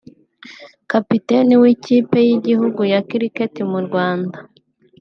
Kapiteni w'ikipe y'igihugu ya Cricket mu Rwanda